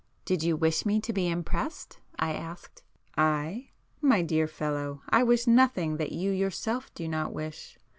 "Did you wish me to be impressed?" I asked. "I? My dear fellow, I wish nothing that you yourself do not wish.